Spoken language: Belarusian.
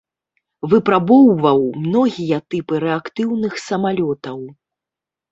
Выпрабоўваў многія тыпы рэактыўных самалётаў.